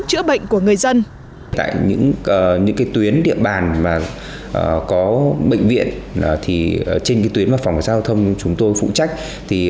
tại những tuyến địa bàn có bệnh viện trên tuyến phòng cảnh sát giao thông chúng tôi phụ trách